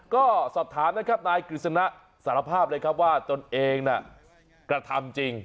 ก็สอบถามนะครับนายกฤษณะสารภาพเลยครับว่าตนเองน่ะกระทำจริง